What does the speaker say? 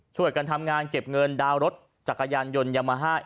ช่วยกันทำงานเก็บเงินดาวน์รถจักรยานยนต์ยามาฮ่า